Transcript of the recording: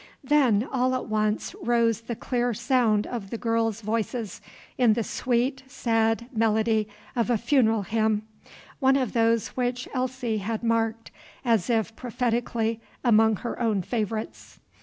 Then all at once rose the clear sound of the girls' voices, in the sweet, sad melody of a funeral hymn, one of those which Elsie had marked, as if prophetically, among her own favorites.